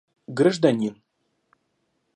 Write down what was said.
Гражданин